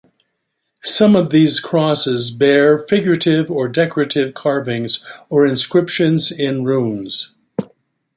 Some of these crosses bear figurative or decorative carvings, or inscriptions in runes.